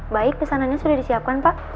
baik pesanannya sudah disiapkan pak